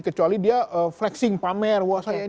kecuali dia flexing pamer